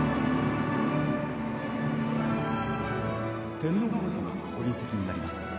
天皇陛下がご臨席になります。